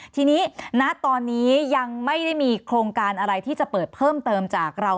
ทีนี้ณตอนนี้ยังไม่ได้มีโครงการอะไรที่จะเปิดเพิ่มเติมจากเรา